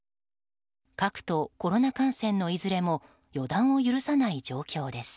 核とコロナ感染のいずれも予断を許さない状況です。